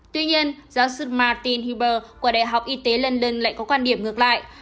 tuy nhiên giáo sư martin huber của đại học y tế london lại có quan điểm ngược lại